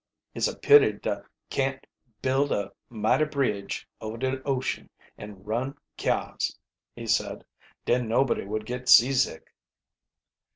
"It's a pity da can't build a mighty bridge over de ocean, an' run kyars," he said. "Den nobody would git seasick."